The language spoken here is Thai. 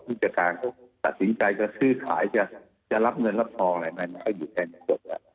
ผู้จัดการก็สัดสินใจธริยภายจะรับเงินรับทองอะไรอยู่แต่หน่อย